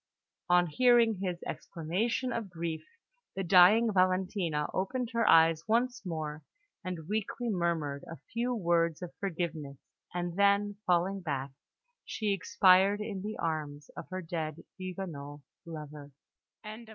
On hearing his exclamation of grief, the dying Valentina opened her eyes once more, and weakly murmured a few words of forgiveness; and then, falling back, she expired in the arms of her dead Huguenot lover!